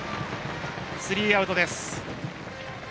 スリーアウトです。